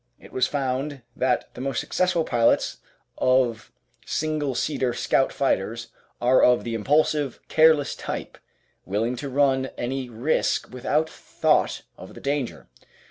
It was found that the most successful pilots of single seater scout fighters are of the impulsive, careless type, willing to run any risk without thought of the danger.